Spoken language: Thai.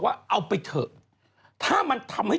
ดื่นดื่นเดิน